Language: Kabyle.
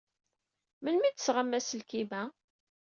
Melmi ay d-tesɣam aselkim-a?